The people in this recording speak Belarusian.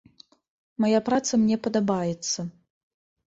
Мая праца мне падабаецца.